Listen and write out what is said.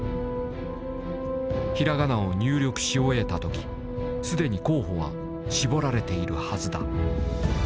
ひらがなを入力し終えた時既に候補は絞られているはずだ。